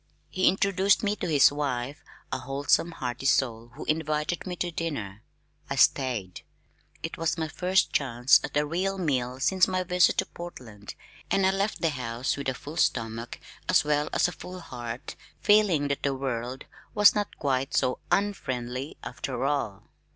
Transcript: He introduced me to his wife, a wholesome hearty soul who invited me to dinner. I stayed. It was my first chance at a real meal since my visit to Portland, and I left the house with a full stomach, as well as a full heart, feeling that the world was not quite so unfriendly after all.